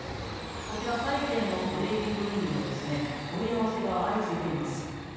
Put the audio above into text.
こちら、債券のトレーディングルームでは問い合わせが相次いでいます。